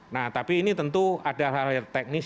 nah tapi ini tentu ada hal hal teknis